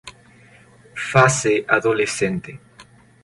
Fase adolescente.